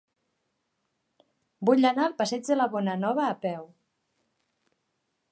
Vull anar al passeig de la Bonanova a peu.